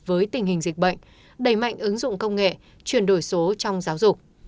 với tình hình dịch bệnh đẩy mạnh ứng dụng công nghệ chuyển đổi số trong giáo dục